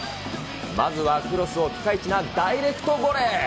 まずはクロスをピカイチなダイレクトボレー。